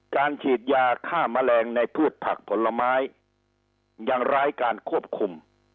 ฉีดยาฆ่าแมลงในพืชผักผลไม้ยังร้ายการควบคุม